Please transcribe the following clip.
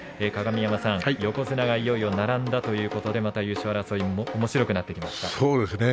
鏡山さん、横綱がいよいよ並んだということで優勝争いおもしろくなってきましたね。